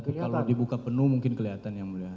kalau dibuka penuh mungkin kelihatan yang mulia